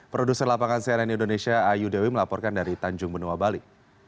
produser lapangan cnn indonesia ayu dewi melaporkan dari tanjung benua bali